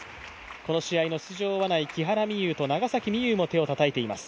この試合の出場はない木原美悠と長崎美柚も手をたたいています。